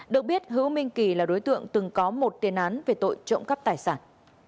được biết hữu minh kỳ là đối tượng từng có một tiền án về tội trộm cắp tài sản